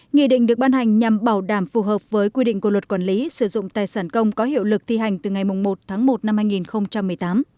nghị định được ban hành nhằm bảo đảm phù hợp với quy định của luật quản lý sử dụng tài sản công có hiệu lực thi hành từ ngày một tháng một năm hai nghìn một mươi tám